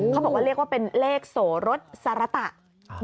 เขาบอกว่าเรียกว่าเป็นเลขโสรสสารตะ